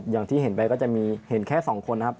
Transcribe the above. อย่างที่เห็นไปก็จะมีเห็นแค่๒คนนะครับ